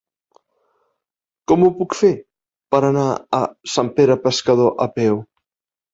Com ho puc fer per anar a Sant Pere Pescador a peu?